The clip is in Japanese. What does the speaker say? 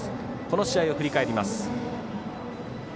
この試合を振り返ります。